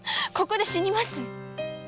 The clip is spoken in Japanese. ここで死にます！